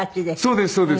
そうですそうです。